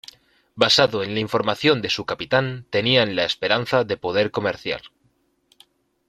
Basado en la información de su capitán, tenían la esperanza de poder comerciar.